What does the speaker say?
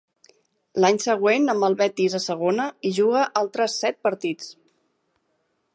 L'any següent, amb el Betis a Segona, hi juga altres set partits.